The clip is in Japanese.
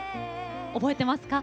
覚えていますか？